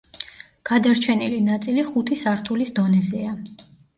გადარჩენილი ნაწილი ხუთი სართულის დონეზეა.